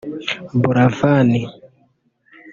Buravan